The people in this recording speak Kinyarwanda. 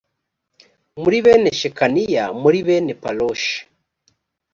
muri bene shekaniya muri bene paroshi